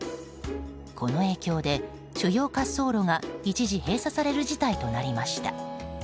この影響で、主要滑走路が一時閉鎖される事態となりました。